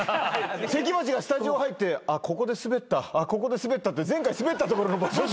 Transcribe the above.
関町がスタジオ入って「あっここでスベった」って前回スベったところの場所全部。